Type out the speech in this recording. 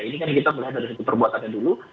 ini kan kita melihat dari segi perbuatan dulu